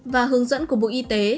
và hướng dẫn của bộ y tế